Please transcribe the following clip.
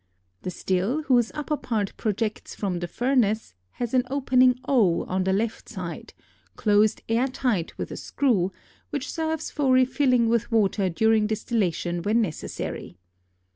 The still, whose upper part projects from the furnace, has an opening O on the left side, closed air tight with a screw, which serves for refilling with water during distillation when necessary.